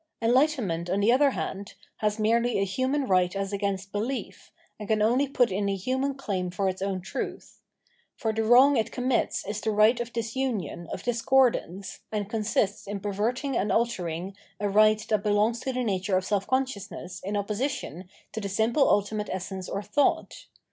Enlightenment, on the other hand, has merely a human right as against behef, and ca.u only put in a human claim for its own truth ; for the iwiong it commits is the right of disunion, of discordance, and consists in perverting and altering, a rightj that belongs to the nature of self consciousness in opposi tion to the simple ultimate essence or thought.